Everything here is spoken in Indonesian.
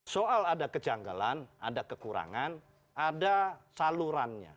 soal ada kejanggalan ada kekurangan ada salurannya